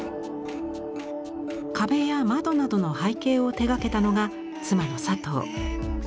壁や窓などの背景を手がけたのが妻の佐藤。